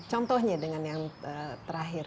contohnya dengan yang terakhir